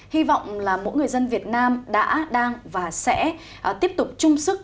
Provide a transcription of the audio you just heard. hy vọng là mỗi người dân việt nam đã đang và sẽ tiếp tục chung sức